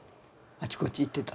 あちこち行ってた。